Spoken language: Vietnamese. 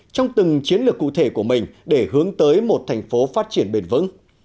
trong từng chiến lược cụ thể của mình để hướng tới một thành phố phát triển bền vững